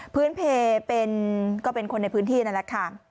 พื้นเพลกเทวงธรรมนาคาร